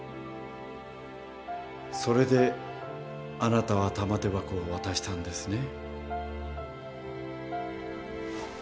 それであなたは玉手箱を渡したんですね？